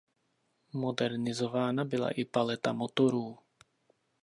Modernizována byla i paleta motorů.